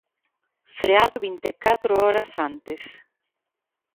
Freado vinte e catro horas antes.